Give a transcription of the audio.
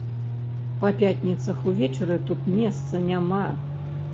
Па пятніцах увечары тут месца няма.